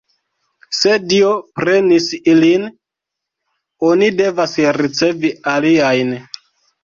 Se Dio prenis ilin, oni devas ricevi aliajn.